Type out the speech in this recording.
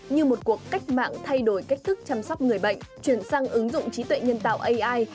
như một cuộc cách mạng thay đổi cách thức chăm sóc người bệnh chuyển sang ứng dụng trí tuệ nhân tạo ai